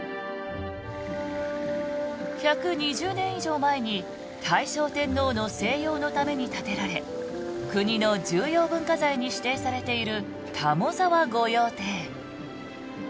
１２０年以上前に大正天皇の静養のために建てられ国の重要文化財に指定されている田母沢御用邸。